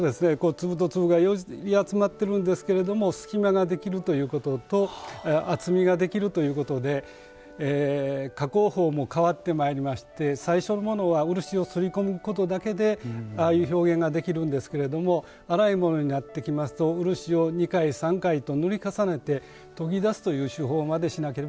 粒と粒が寄り集まってるんですけれども隙間ができるということと厚みができるということで加工法も変わってまいりまして最初のものは漆を擦り込むことだけでああいう表現ができるんですけれども粗いものになってきますと漆を２回３回と塗り重ねて研ぎ出すという手法までしなければなりません。